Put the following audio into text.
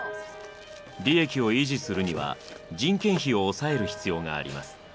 利益を維持するには人件費を抑える必要があります。